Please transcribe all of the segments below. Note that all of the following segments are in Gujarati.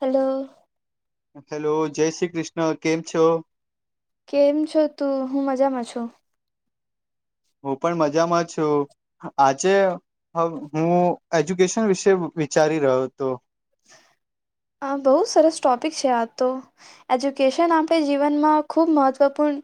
હલો હેલો જય શ્રી કૃષ્ણ કેમ છો? કેમ છો તું? હું મજામાં છું. હું પણ મજામાં છું. આજે હ હું એજ્યુકેશન વિશે વિચારી રહ્યો હતો. [unintelligible] આ બહુ સરસ ટોપિક છે આ તો એજ્યુકેશન આપણે જીવનમાં ખુબ મહત્વપૂર્ણ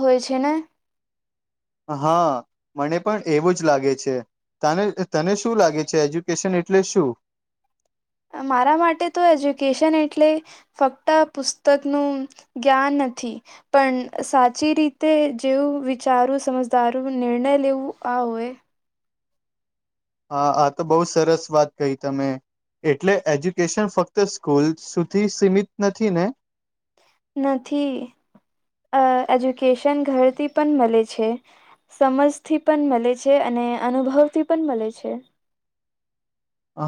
હોય છે ને હા મને પણ એવું જ લાગે છે. તને તને શું લાગે છે એજ્યુકેશન એટલે શું? મારા માટે તો એજ્યુકેશન એટલે ફક્ત પુસ્તક નું જ્ઞાન નથી. પણ સાચી રીતે જેવું વિચારું સમજદારો નિર્ણય લેવું આ હોય હા આ તો બહુ સરસ વાત કહી તમે. એટલે એજ્યુકેશન ફક્ત સ્કૂલ સુધી સીમિત નથી ને નથી અ એજ્યુકેશન ઘરથી પણ મળે છે. સમજથી પણ મળે છે અને અનુભવથી પણ મળે છે.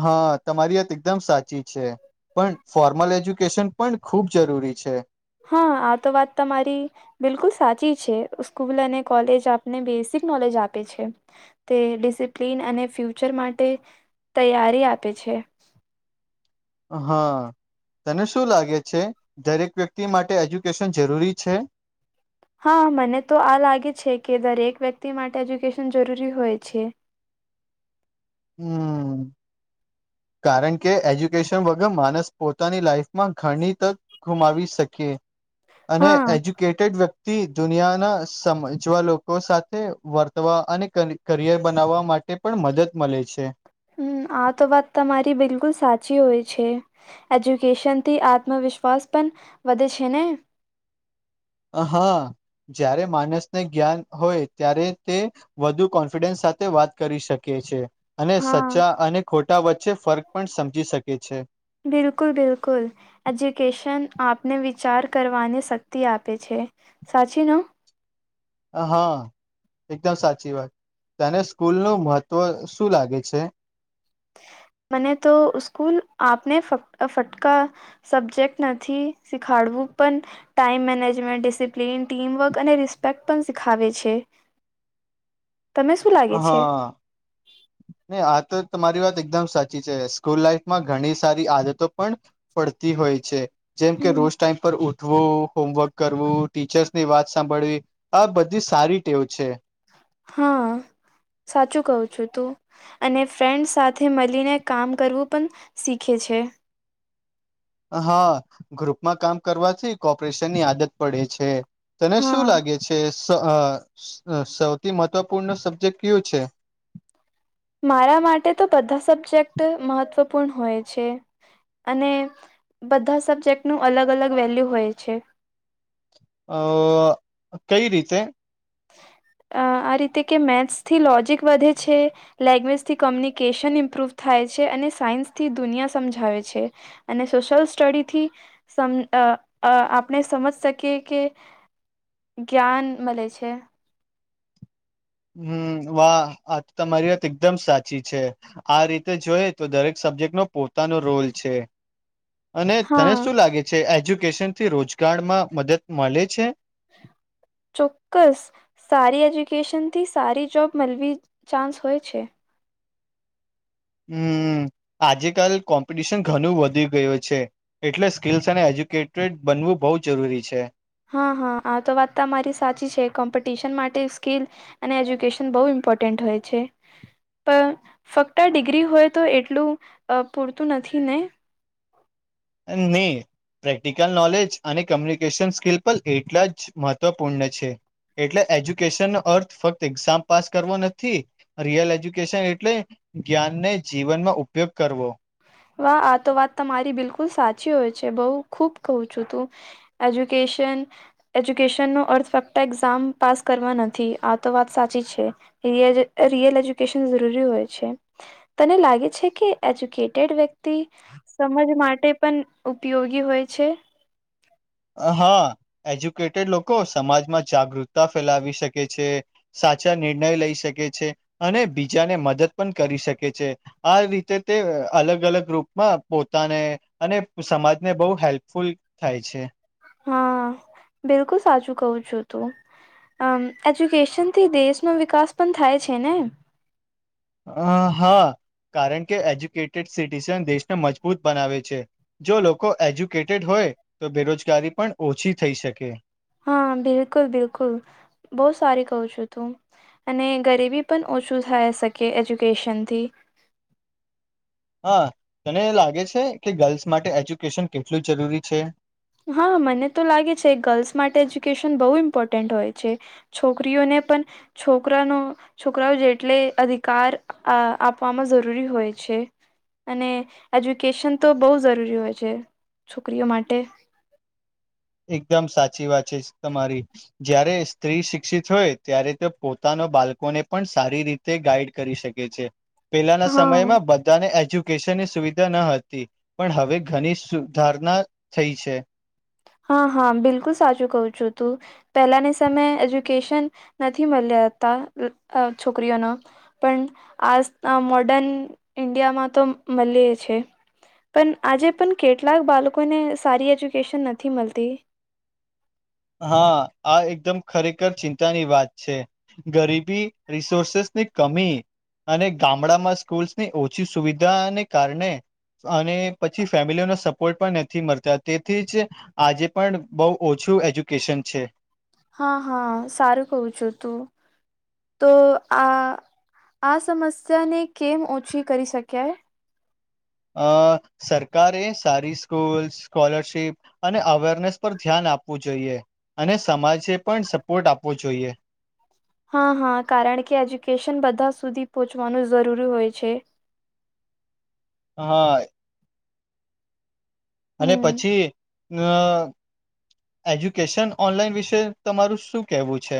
હા તમારી વાત એકદમ સાચી છે. પણ ફોર્મલ એજ્યુકેશન પણ ખૂબ જરૂરી છે. હા આ તો વાત તમારી બિલકુલ સાચી છે સ્કૂલ અને કોલેજ આપને બેસિક નોલેજ આપે છે. તે ડિસિપ્લિન અને ફ્યુચર માટે તૈયારી આપે છે. હા તને શું લાગે છે દરેક વ્યક્તિ માટે એજ્યુકેશન જરૂરી છે? હા મને તો આ લાગે છે કે દરેક વ્યક્તિ માટે એજ્યુકેશન જરૂરી હોય છે. હમ કારણ કે એજ્યુકેશન વગર માનસ પોતાની લાઈફમાં ઘણી તક ગુમાવી શકીએ. અને હા એજ્યુ કેટેડ વ્યક્તિ દુનિયાના સમજવા લોકો સાથે વર્તવા અને કરિયર બનાવવા માટે પણ મદદ મળે છે. હમ આ તો વાત તમારી બિલકુલ સાચી હોય છે. એજ્યુકેશનથી આત્મવિશ્વાસ પણ વધે છે ને હા જ્યારે માનસને જ્ઞાન હોય ત્યારે તે વધુ કોન્ફિડન્સ સાથે વાત કરી શકી છે. અને હા સચ્ચા અને ખોટા વચ્ચે ફર્ક પણ સમજી શકે છે. બિલકુલ બિલકુલ એજ્યુકેશન આપને વિચાર કરવાની શક્તિ આપે છે સાચી હા એકદમ સાચી વાત તને સ્કૂલ નું મહત્ત્વ શું લાગે છે? મને તો સ્કૂલ આપને ફટ ફટકા સબ્જેક્ટ નથી શીખાડવું પણ ટાઈમ મેનેજમેન્ટ ડિસિપ્લીન ટીમવર્ક અને રિસ્પેક્ટ પણ શીખાવે છે. તમે શું હ લાગે છે હા ન આ તો તમારી વાત એકદમ સાચી છે સ્કૂલ લાઈફ માં ઘણી સારી આદતો પણ પડતી હોય છે જેમ કે હમ રોજ ટાઈમ પર ઉઠવું, હોમવર્ક કરવું. ટીચર્સ ની વાત સાંભળવી આ બધી સારી ટેવ છે. હા સાચું કવું છું તું અને ફ્રેન્ડ્સ સાથે મળીને કામ કરવું પણ શીખે છે. હા ગ્રુપમાં કામ કરવાથી કોપરેશનની આદત પડે છે. તને શું હા લાગે છે સૌથી મહત્વપૂર્ણ સબ્જેક્ટ કયુ છે મારા માટે તો બધા સબ્જેક્ટ મહત્વપૂર્ણ હોય છે. અને બધા સબ્જેક્ટ નું અલગ અલગ વેલ્યુ હોય છે. અ કઈ રીતે [inaudible] આ રીતે કે મેથ્સથી લોજિક વધે છે. લેંગ્વેજથી કોમ્યુનિકેશન ઇમ્પ્રુવ થાય છે અને સાયન્સ થી દુનિયા સમજાવે છે. અને સોશિયલ સ્ટડી થી સમ અ અ આપણે સમજ શકીએ કે જ્ઞાન મળે છે. હમ્મ વાહ આ તમારી વાત એકદમ સાચી છે. આ રીતે જોઈ તો દરેક સબ્જેક્ટ નો પોતાનો રોલ છે. અને તને હા શું લાગે છે એજ્યુકેશન થી રોજગારમાં મદદ મળે છે. ચોક્કસ સારી એજ્યુકેશનથી સારી જોબ મળવી ચાન્સ હોય છે. હમ્મ આજે કલ કોમ્પિટિશન ઘણું વધી ગયું છે. એટલે સ્કિલ્સ અને એજ્યુકેટેડ બનવું બહુ જરૂરી છે. હા હા આ તો વાત તમારી સાચી છે કોમ્પિટિશન માટે સ્કીલ અને એજ્યુકેશન બહુ ઇમ્પોર્ટન્ટ હોય છે. પણ ફક્ત ડિગ્રી હોય તો એટલું પૂરતું નથી ને ની પ્રેક્ટિકલ નોલેજ અને કમ્યુનિકેશન સ્કિલ પણ એટલા જ મહત્વપૂર્ણ છે. એટલે એજ્યુકેશન નો અર્થ ફક્ત એક્ઝામ પાસ કરવો નથી. રિયલ એજ્યુકેશન એટલે જ્ઞાનને જીવનમાં ઉપયોગ કરવો. વાહ આ તો વાત તમારી બિલકુલ સાચી હોય છે બઉુ ખુબ કહું છું તું એજ્યુકેશન એજ્યુકેશનનો અર્થ ફક્ત એક્ઝામ પાસ કરવા નથી આ તો વાત સાચી છે. રિયલ એજ્યુકેશન જરૂરી હોય છે તને લાગે છે કે એજ્યુકે ટેડ વ્યક્તિ સમાજ માટે પણ ઉપયોગી હોય છે હા એજ્યુકેટેડ લોકો સમાજમાં જાગૃતતા ફેલાવી શકે છે. સાચા નિર્ણય લઈ શકે છે અને બીજાને મદદ પણ કરી શકે છે. આ રીતે તે અલગ અલગ રૂપમાં પોતાને અને સમાજને બહુ હેલ્પફુલ થાય છે. હા બિલકુલ સાચું કવું છું તું આમ એજ્યુકેશન થી દેશનો વિકાસ પણ થાય છે ને અ હા કારણ કે એજ્યુકેટેડ સિટીઝન દેશને મજબૂત બનાવે છે. જો લોકો એજ્યુકેટેડ હોય તો બેરોજગારી પણ ઓછી થઈ શકે. હા બિલકુલ બિલકુલ બહ સારી કઉ છુ તું અને ગરીબી પણ ઓછું થાય શકે એજ્યુકેશનથી. હા તને લાગે છે કે ગર્લ્સ માટે એજ્યુકેશન કેટલું જરૂરી છે હા મને તો લાગે છે ગર્લ્સ માટે એજ્યુકેશન બહુ ઇમ્પોર્ટન્ટ હોય છે. છોકરીઓને પણ છોકરાનો છોકરાઓ જેટલે અધિકાર આપવામાં જરૂરી હોય છે. અને એજ્યુકેશન તો બહુ જરૂરી હોય છે છોકરીઓ માટે એકદમ સાચી વાત છે તમારી જયારે સ્ત્રી શિક્ષિત હોય ત્યારે તો પોતાના બાળકોને પણ સારી રીતે તે ગાઈડ કરી શકે છે પેલાના હા સમયમાં બધાને એજ્યુકેશનની સુવિધા ન હતી પણ હવે ઘણી સુધારણા થઈ છે. હા હા બિલકુલ સાચું કવું છું તું. પેલાની સમયે એજ્યુકેશન નથી મળ્યાતા અ છોકરીઓનો પણ આજ તા મોર્ડન ઈન્ડિયામાં તો મલીયે છે. પણ આજે પણ કેટલાક બાળકોને સારી એજ્યુકેશન નથી મળતી હા આ એકદમ ખરેખર ચિંતાની વાત છે. ગરીબી રિસોર્સેસ ની કમી અને ગામડામાં સ્કૂલ્સની ઓછી સુવિધાને અને કારણે અને પછી ફેમિલીઓનો સપોર્ટ પણ નથી મળતા તેથી જ. આજે પણ બહુ ઓછું એજ્યુકેશન છે. હા હા સારું કઉ છું તું. તો આ આ સમસ્યાને કેમ ઓછી કરી શક્યાય અ સરકારે સારી સ્કૂલ સ્કોલરશિપ અને અવેરનેસ પર ધ્યાન આપવું જોઈએ અને સમાજે પણ સપોર્ટ આપવો જોઈએ. હા હા કારણ કે એજ્યુકેશન બધા સુધી પહોંચવાનું જરૂરી હોય છે. હા. અને હમ પછી. અ એજ્યુકેશન ઓનલાઈન વિશે તમારું શું કેહેવું છે.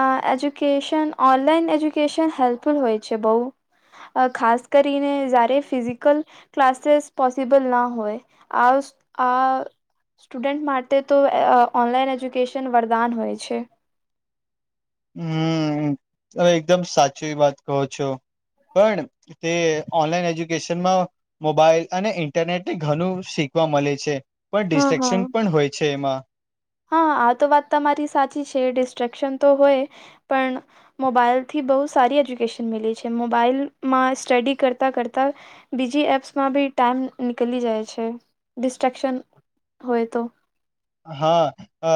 અ એજ્યુકેશન ઓનલાઈન એજ્યુકેશન હેલ્પફુલ હોય છે બહુ અ ખાસ કરીને જયારે ફિઝિકલ ક્લાસીસ પોસિબલ ના હોય આ આ સ્ટુડન્ટ માટે તો અ ઓનલાઈન એજ્યુકેશન વરદાન હોય છે. હમ તો એકદમ સાચી વાત કહો છો પણ તે ઓનલાઈન એજ્યુકેશનમાં મોબાઈલ અને ઇન્ટરનેટને ઘણું શીખવા મળે છે. પણ હા હા ડિસ્ક્શન પણ હોય છે એમાં હા આ તો વાત તમારી સાચી છે ડિસ્ટ્રેક્શન તો હોય પણ મોબાઈલ થી બહુ સારી એજ્યુકેશન મિલી છે મોબાઈલમાં સ્ટડી કરતા કરતા બીજી એપ્સમાં બી ટાઈમ નીકળી જાય છે ડિસ્ટ્રેક્શન હોય તો હા અ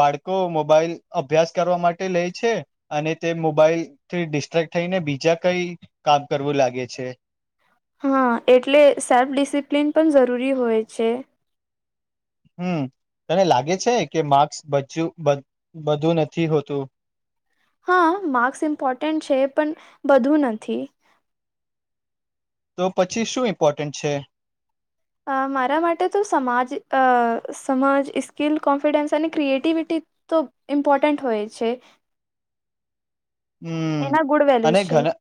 બાળકો મોબાઈલ અભ્યાસ કરવા માટે લે છે. અને તે મોબાઈલ થી ડિસ્ટ્રક્ટ થઈને બીજા કઈ કામ કરવું લાગે છે. હા એટલે સેલ્ફ ડિસિપ્લિન પણ જરૂરી હોય છે. હમ તને લાગે છે કે માર્ક્સ બચું બ બધું નથી હોતું. હા માર્ક્સ ઇમ્પોર્ટન્ટ છે પણ બધું નથી તો પછી શું ઇમ્પોર્ટન્ટ છે. અ મારા માટે તો સમાજ અ સમાજ સ્કિલ કોન્ફિડન્સ અને ક્રિએટિવિટી તો ઇપોટેન્ટ હોય છે. હમ એના ગુડ અને વેલ્યુઝ છે ઘણા.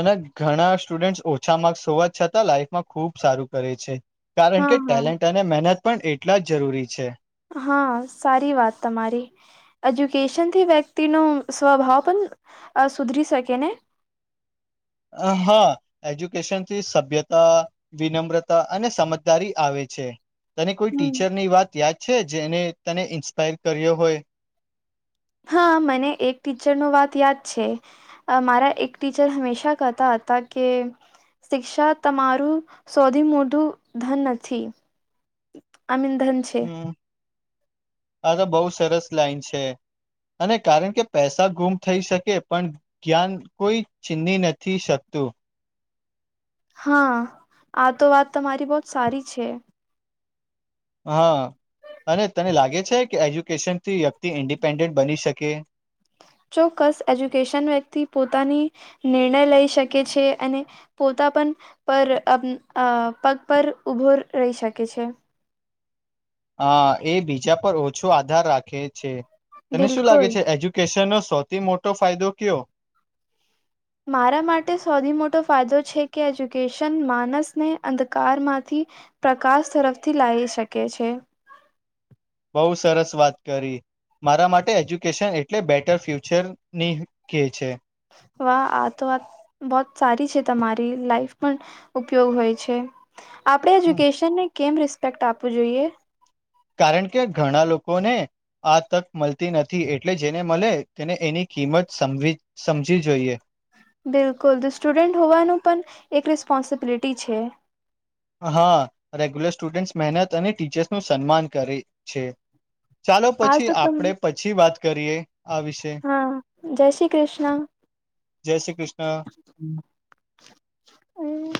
અને ઘણા સ્ટુડન્ટ ઓછા માર્ક્સ હોવા છતાં લાઈફમાં ખુબ સારું કરે છે કારણ કે હા હા ટેલેન્ટ અને મહેનત પણ એટલા જ જરૂરી છે. હા સારી વાત તમારી એજ્યુકેશનથી વ્યક્તિ નુ સ્વભાવ પણ અ સુધરી શકે ને. હા હ એજ્યુકેશનથી સભ્યતા વિનમ્રતા અને સમજદારી આવે છે. તને કોઈ હમ ટીચર ની વાત યાદ છે જેને તને ઇન્સ્પાયર કર્યો હોય હા મને એક ટીચર નો વાત યાદ છે. અ મારા એક ટીચર હંમેશા કતા હતા કે. શિક્ષા તમારું સૌથી મોટું ધન નથી. આમંદ [inaudible] હમ આ તો બહુ સરસ લાઈન છે. અને કારણ કે પૈસા ગુમ થઈ શકે પણ જ્ઞાન કોઈ ચીની નથી શકતું હા આ તો વાત તમારી બહુંત સારી છે હા અને તને લાગે છે કે એજ્યુકેશન થી વ્યક્તિ ઇન્ડિપેન્ડન્ટ બની શકે? ચોક્કસ એજ્યુકેશન વ્યક્તિ પોતાની નિર્ણય લઈ શકે છે અને પોતા પણ પર અ પગ પર ઉભો રહી શકે છે. અ એ બીજા પર ઓછો આધાર રાખે છે તને શું બિલકુલ લાગે છે એજ્યુ કેશન નો સૌથી મોટો ફાયદો કયો મારા માટે સૌથી મોટો ફાયદો છે કે એજ્યુકેશન માણસને અંધકારમાંથી પ્રકાશ તરફથી લાવી શકે છે બઉ સરસ વાત કરી મારા માટે એજ્યુકેશન એટલે બેટર ફ્યુચર ની કે છે. વાહ આ તો વાત બહુંત સારી છે તમારી લાઈફ પણ ઉપયોગ હોય છે આપડે હમ. એજ્યુકેશનને કેમ રિસ્પેક્ટ આપવું જોઈએ કારણ કે ઘણા લોકોને આ તક મળતી નથી એટલે જેને મળે તેને એની કિંમત સમજવી સમજી જોઈએ. બિલકુલ તો સ્ટુડન્ટ હોવાનું પણ એક રિસ્પોન્સિબિલિટી છે. હા રેગ્યુલર સ્ટુડન્ટસ મહેનત અને ટીચર્સ નું સન્માન કરે છે. ચાલો આજ પછી તો તમ આપણે પછી વાત કરીએ આ વિશે હા જય શ્રી કૃષ્ણ જય શ્રી કૃષ્ણ હમ્મ.